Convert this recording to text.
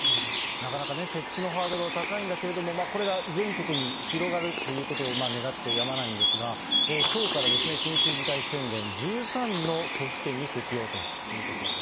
なかなか設置のハードルは高いんだけれども、これが全国に広がるということを願ってやまないんですが、きょうから緊急事態宣言、１３の都府県に適用ということです。